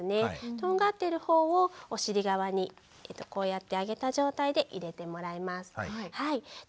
とんがっている方をお尻側にこうやって上げた状態で入れてもらいます。